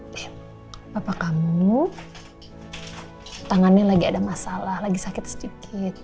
dan papa kamu tangannya lagi ada masalah lagi sakit sedikit